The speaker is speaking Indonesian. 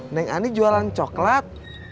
neng ani jualan coklat